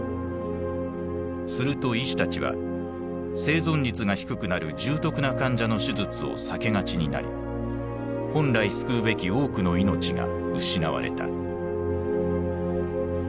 すると医師たちは生存率が低くなる重篤な患者の手術を避けがちになり本来救うべき多くの命が失われた。